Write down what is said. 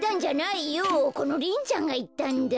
このリンちゃんがいったんだ。